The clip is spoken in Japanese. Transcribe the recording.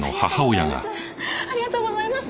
ありがとうございます！